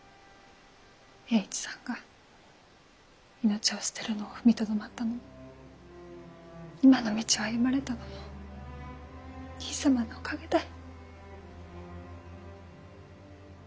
栄一さんが命を捨てるのを踏みとどまったのも今の道を歩まれたのも兄さまのおかげだい。